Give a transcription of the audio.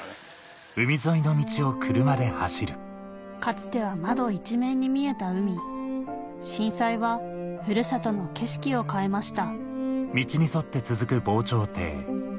つては窓一面に見えた海震災はふるさとの景色を変えました